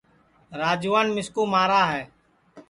راجوان مِسکُو مارا ہے